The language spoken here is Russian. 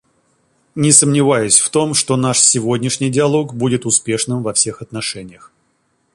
Не сомневаюсь в том, что наш сегодняшний диалог будет успешным во всех отношениях.